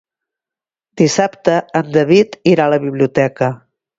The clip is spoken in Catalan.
Dissabte en David irà a la biblioteca.